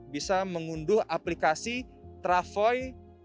bisa mengunduh aplikasi travoi